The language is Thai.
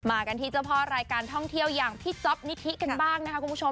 กันที่เจ้าพ่อรายการท่องเที่ยวอย่างพี่จ๊อปนิธิกันบ้างนะคะคุณผู้ชม